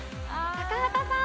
高畑さん。